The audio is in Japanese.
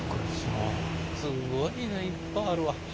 すごいねいっぱいあるわ。